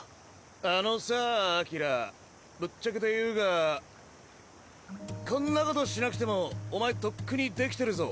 あのさぁアキラぶっちゃけて言うがこんなことしなくてもお前とっくにできてるぞ